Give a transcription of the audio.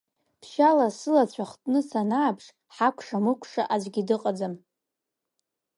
Ԥшьаала сылацәа хтны санааԥш, ҳакәша-мыкәша аӡәгь дыҟаӡам…